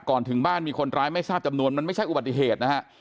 ถึงบ้านมีคนร้ายไม่ทราบจำนวนมันไม่ใช่อุบัติเหตุนะฮะ